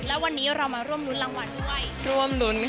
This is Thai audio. แล้ววันนี้เรามาร่วมรุ้นรางวัลด้วย